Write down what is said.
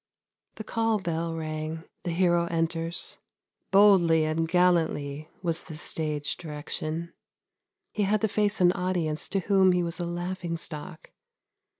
The call bell rang; the hero enters; ' boldly and gallantly ' was the stage direction. He had to face an audience to whom he was a laughing stock.